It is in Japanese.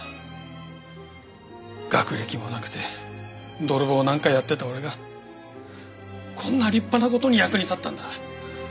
学歴もなくて泥棒なんかやってた俺がこんな立派な事に役に立ったんだ。